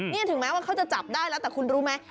นี่ถึงแม้ว่าเขาจะจับได้แล้วแต่คุณรู้ไหม